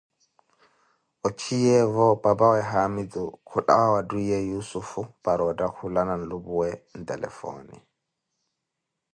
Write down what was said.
ochiyeevo papawe haamitu kulawa wa twiiye yussufu para ottakhukana nlupuwe ntelefoone.